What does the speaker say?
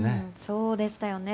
そうでしたよね。